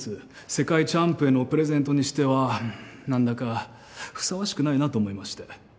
世界チャンプへのプレゼントにしては何だかふさわしくないなと思いまして。